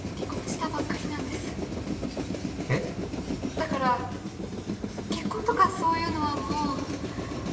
だから結婚とかそういうのはもう。